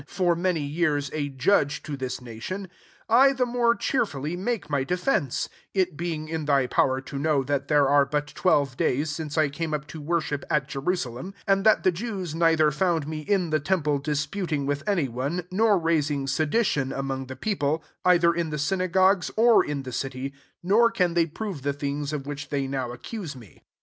S43 for mftny years a judge to this nation, I the more cheerfully make my defence: 11 it being in thy power to know that there are but twelve days since I came up to worship at Jeru salem : 12 and that the Jews neither found me in the temple disputing with any one ; nor raising sedition sunong the people, either in the syna gogues, or in the city: IS nor can they prove the things of which they now accuse me.